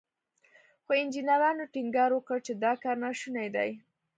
خو انجنيرانو ټينګار وکړ چې دا کار ناشونی دی.